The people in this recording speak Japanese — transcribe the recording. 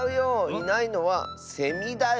いないのはセミだよ。